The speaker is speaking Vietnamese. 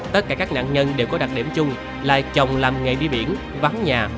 tất cả các nạn nhân đều có đặc điểm chung là chồng làm nghề đi biển vắng nhà